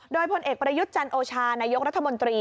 โดยพลเอกประยุทธ์จันโอชานายกรัฐมนตรี